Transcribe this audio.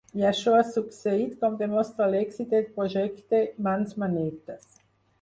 I això ha succeït, com demostra l’èxit del projecte ‘Mans manetes’.